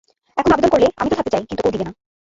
এখন আবেদন করলে আমি তো থাকতে চাই, কিন্তু ও দিবে না।